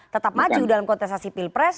tetap maju dalam kontesan sipil pres